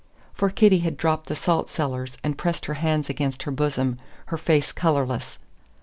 For Kitty had dropped the salt cellars and pressed her hands against her bosom, her face colourless.